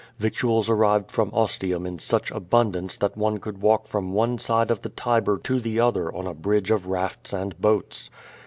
Victuals arrived from Ostium in such abundance that one could walk from one side of the Tiber to the other on a bridge of rafts and boats.